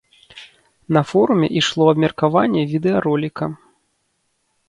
На форуме ішло абмеркаванне відэароліка.